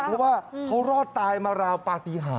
เพราะว่าเขารอดตายมาราวปฏิหาร